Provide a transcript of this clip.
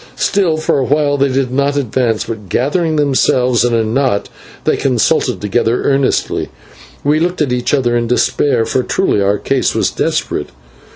Still for a while they did not advance, but, gathering themselves in a knot, they consulted together earnestly. We looked at each other in despair, for truly our case was desperate.